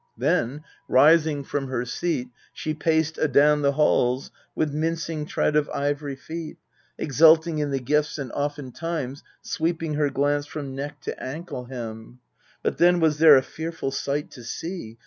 Then, rising from her seat, she paced adown The halls with mincing tread of ivory feet, Exulting in the gifts, and oftentimes eping her glance from neck to ankle hem. But then was there a fearful sight to see.